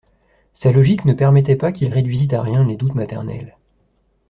Sa logique ne permettait pas qu'il réduisît à rien les doutes maternels.